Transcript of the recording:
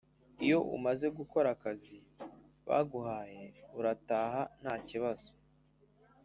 Iyo umaze gukora akazi baguhaye urataha ntakibazo